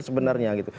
itu sebenarnya gitu